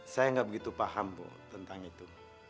saya nggak begitu paham bu tentang itu